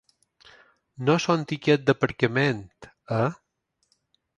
No són tiquets d’aparcament, eh?